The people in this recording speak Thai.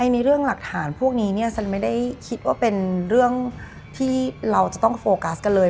ในเรื่องหลักฐานพวกนี้ฉันไม่ได้คิดว่าเป็นเรื่องที่เราจะต้องโฟกัสกันเลย